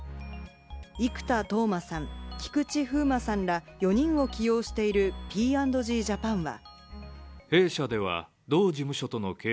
生田斗真さん、菊池風磨さんら４人を起用しているＰ＆Ｇジャパンは。